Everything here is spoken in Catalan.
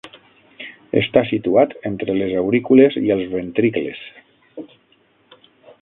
Està situat entre les aurícules i els ventricles.